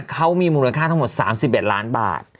เขามีมูลค่าทั้งหมด๓๑ล้านบาท